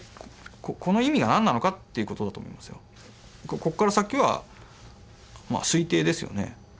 こっから先はまあ推定ですよね。